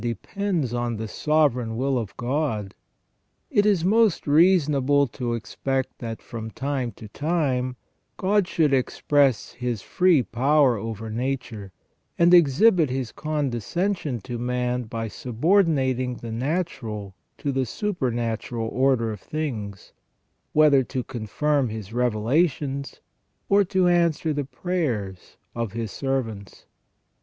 depends on the sovereign will of God ; it is most reasonable to ex pect that from time to time God should express His free power over nature, and exhibit His condescension to man by subordinating the natural to the supernatural order of things, whether to confirm His revelations, or to answer the prayers of His servants.